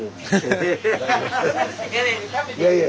いやいや。